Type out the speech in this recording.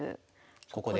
ここで？